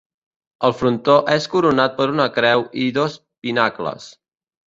El frontó és coronat per una creu i dos pinacles.